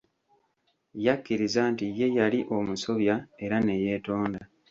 Yakkiriza nti ye yali omusobya era ne yeetonda.